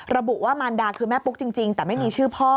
ระบุว่ามารดาคือแม่ปุ๊กจริงแต่ไม่มีชื่อพ่อ